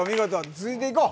続いていこう。